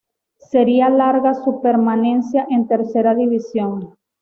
Sería larga su permanencia en Tercera División.